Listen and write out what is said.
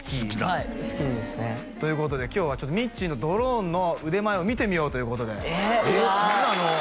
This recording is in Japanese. はい好きですねということで今日はちょっとみっちーのドローンの腕前を見てみようということでええうわ